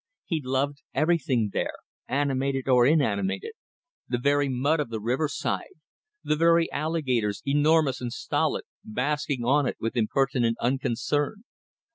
He loved everything there, animated or inanimated; the very mud of the riverside; the very alligators, enormous and stolid, basking on it with impertinent unconcern.